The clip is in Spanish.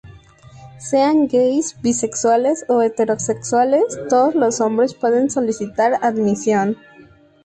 Sean gais, bisexuales o heterosexuales, todos los hombres pueden solicitar admisión.